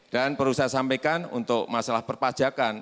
dan perlu saya sampaikan untuk masalah perpajakan